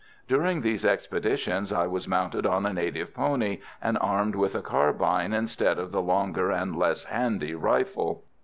During these expeditions I was mounted on a native pony, and armed with a carbine instead of the longer and less handy rifle.